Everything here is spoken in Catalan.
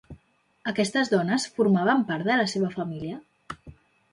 Aquestes dones formaven part de la seva família?